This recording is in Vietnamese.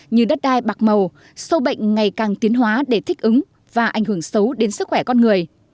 như đất đai bạc màu sâu bệnh ngày càng tiến hóa để thích ứng và ảnh hưởng xấu đến sức khỏe con người